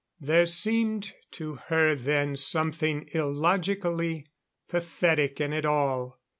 There seemed to her then something illogically pathetic in it all.